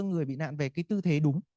người bị nạn về cái tư thế đúng